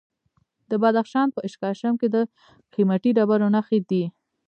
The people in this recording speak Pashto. د بدخشان په اشکاشم کې د قیمتي ډبرو نښې دي.